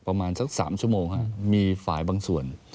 ประมาณสัก๓ชั่วโมงมีฝ่ายบางส่วน